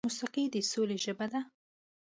موسیقي د سولې ژبه ده.